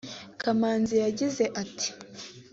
Kamanzi yagize ati